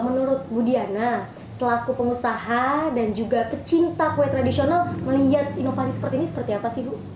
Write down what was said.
menurut bu diana selaku pengusaha dan juga pecinta kue tradisional melihat inovasi seperti ini seperti apa sih bu